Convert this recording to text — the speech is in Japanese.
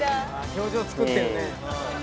「表情作ってるね」